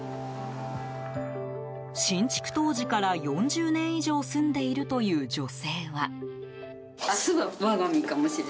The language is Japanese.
新築当時から、４０年以上住んでいるという女性は。